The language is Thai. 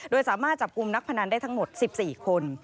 โดยสามารถจับกลุ่มนักพนันได้ทั้งหมด๑๔คน